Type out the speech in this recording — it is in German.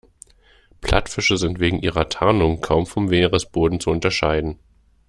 Plattfische sind wegen ihrer Tarnung kaum vom Meeresboden zu unterscheiden.